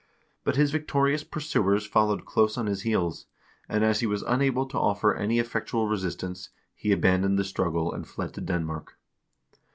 But his victorious pursuers followed close on his heels, and as he was unable to offer any effectual resistance, he abandoned the struggle and fled to Denmark.